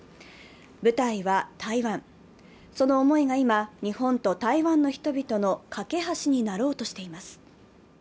舞台は台湾、その思いが今、日本と台湾の人々の懸け橋になろうとしています。